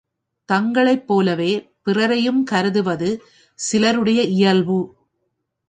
தங்களைப் போலவே பிறரையும் கருதுவது சிலருடைய இயல்பு.